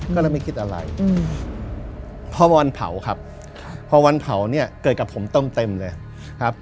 ก็เลยไม่คิดอะไรพอวันเผาครับพอวันเผาเนี่ยเกิดกับผมเติมเต็มเลยครับ